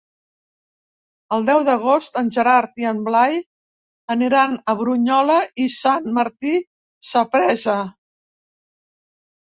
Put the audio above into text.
El deu d'agost en Gerard i en Blai aniran a Brunyola i Sant Martí Sapresa.